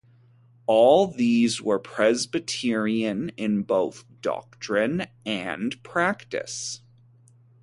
All these were Presbyterian in both doctrine and practice.